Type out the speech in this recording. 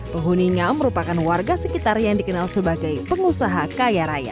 penghuninya merupakan warga sekitar yang dikenal sebagai pengusaha kaya raya